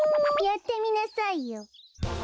やってみなさいよ。